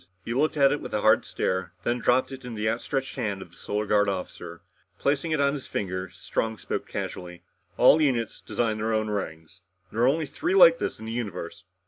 He looked at it with a hard stare, then dropped it in the outstretched hand of the Solar Guard officer. Replacing it on his finger, Strong spoke casually. "All units design their own rings. There are only three like this in the universe.